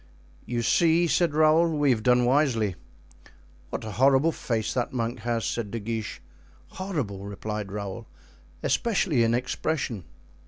"You see," said Raoul, "we have done wisely." "What a horrible face that monk has," said De Guiche. "Horrible!" replied Raoul, "especially in expression."